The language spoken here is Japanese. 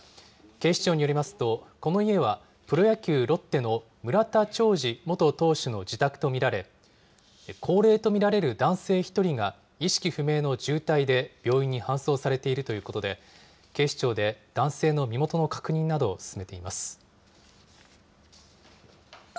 警視庁によりますと、この家はプロ野球・ロッテの村田兆治元投手の自宅と見られ、高齢と見られる男性１人が意識不明の重体で、病院搬送されているということで、警視庁で男性の身元の確認などを進めています。